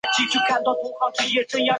这边三颗电池也用光了